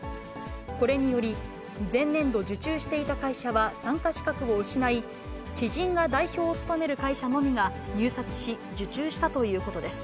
これにより、前年度受注していた会社は参加資格を失い、知人が代表を務める会社のみが入札し、受注したということです。